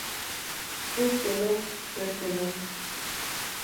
Tə tele! Tə tele.